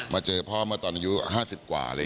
เจอพ่อเมื่อตอนอายุ๕๐กว่าเลย